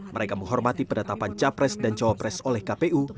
mereka menghormati penetapan capres dan cawapres oleh kpu